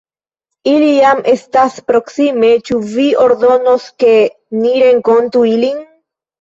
Ili jam estas proksime, ĉu vi ordonos, ke ni renkontu ilin?